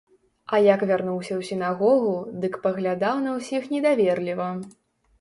А як вярнуўся ў сінагогу, дык паглядаў на ўсіх недаверліва.